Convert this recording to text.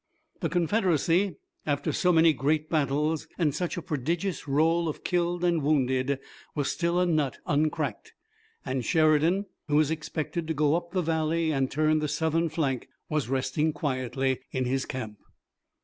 The Confederacy, after so many great battles, and such a prodigious roll of killed and wounded, was still a nut uncracked, and Sheridan, who was expected to go up the valley and turn the Southern flank, was resting quietly in his camp.